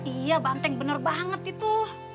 iya banteng benar banget itu